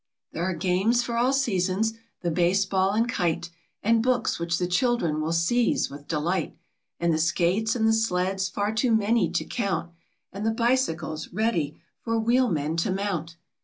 There are games for all seasons, the base ball and kite, And books which the children will seize with delight, And the skates and the sleds, far too many to count, And the bicycles ready for wheelmen to mount.